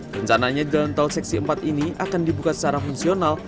rencananya jalan tol seksi empat ini akan dibuka secara fungsional